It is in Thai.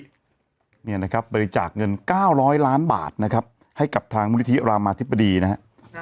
เนี่ยนะครับบริจาคเงิน๙๐๐ล้านบาทนะครับให้กับทางมูลนิธิรามาธิบดีนะครับ